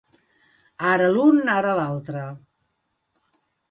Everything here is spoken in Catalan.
Ara l'un ara l'altre.